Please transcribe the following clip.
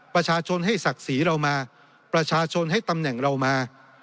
ประชาชนให้ศักดิ์ศรีเรามาประชาชนให้ตำแหน่งเรามา